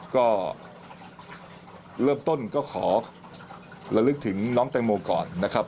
ก็เริ่มต้นก็ขอระลึกถึงน้องแตงโมก่อนนะครับ